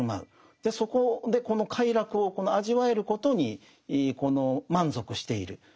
そこでこの快楽を味わえることに満足している。